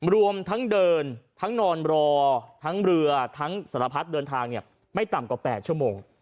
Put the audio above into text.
รวมทั้งเดินทั้งนอนรอทั้งเรือทั้งสารพัดเดินทางไม่ต่ำกว่า๘ชั่วโมง